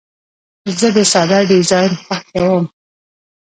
زه د ساده ډیزاین خوښوم.